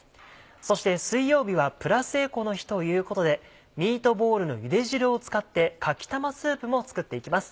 そして水曜日はプラスエコの日ということでミートボールのゆで汁を使ってかき玉スープも作っていきます。